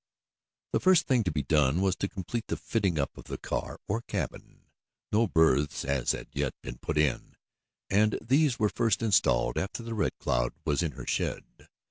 The first thing to be done was to complete the fitting up of the car, or cabin. No berths had, as yet, been put in, and these were first installed after the Red Cloud was in her shed.